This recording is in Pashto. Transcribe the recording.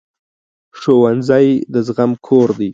ښوونځی د زغم کور دی